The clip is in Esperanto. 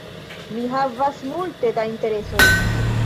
Mi havas multe da interesoj.